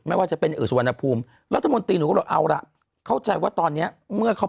ไม่ว่าจะเป็นสุวรรณภูมิรัฐมนตรีหนูก็เลยเอาล่ะเข้าใจว่าตอนนี้เมื่อเขา